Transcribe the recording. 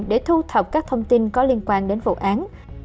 để thu thập các thông tin có liên quan đến vụ án